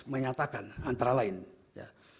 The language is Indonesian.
menyatakan antara lain ya